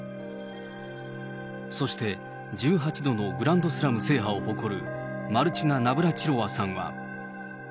そして、１８度のグランドスラム制覇を誇るマルチナ・ナブラチロワさんは。